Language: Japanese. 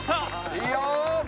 いいよ！